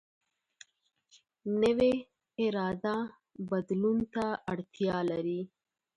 نوې اراده بدلون ته اړتیا لري